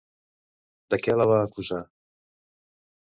De què la va acusar?